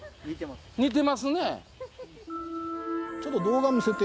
似てますね。